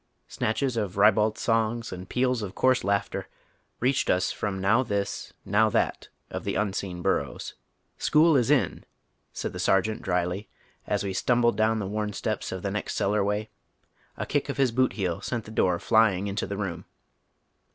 Snatclies of ribald songs and peals of coarse laughter reached us from now this, now that of the un seen bun'ows. " School is in," said the Sergeant drily as we stumbled down the worn steps of the next cellar way. A kick of his boot heel sent the door flying into the room.